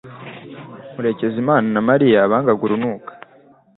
Murekezimana na Mariya bangaga urunuka